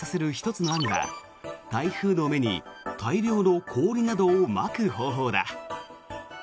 １つの案が台風の目に大量の氷などをまく方法だ。